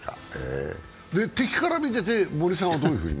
敵から見てて、森さんはどんなふうに？